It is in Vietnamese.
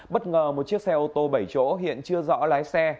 bất ngờ một chiếc xe ô tô bảy chỗ hiện chưa rõ lái xe